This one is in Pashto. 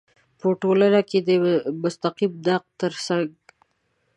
په ټولنه کې د مستقیم نقد تر څنګ